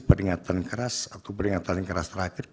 peringatan keras aku peringatan keras terakhir